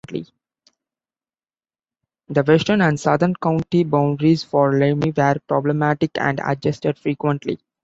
The western and southern county boundaries for Lemhi were problematic and adjusted frequently.